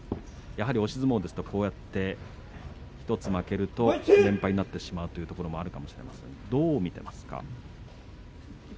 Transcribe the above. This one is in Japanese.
押し相撲はやはりこうやって１つ負けると連敗になってしまうというところもあるかもしれませんがどう見てますか。